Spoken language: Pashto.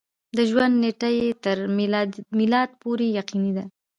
د ژوند نېټه یې تر میلاد پورې یقیني ده.